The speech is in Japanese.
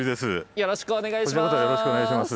よろしくお願いします。